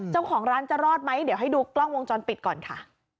เจ้าของร้านจะรอดไหมเดี๋ยวให้ดูกล้องวงจรปิดก่อนค่ะ